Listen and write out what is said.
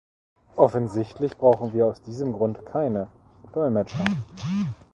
Offensichtlich brauchen wir aus diesem Grund keine Dolmetscher!